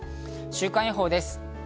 週間予報です。